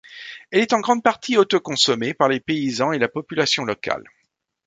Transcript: Elle est en grande partie auto-consommée par les paysans et la population locale.